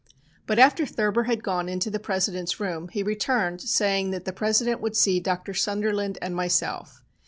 But after Thurber had gone into the President's room, he returned saying that the President would see Dr. Sunderland and myself.